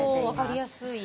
分かりやすい。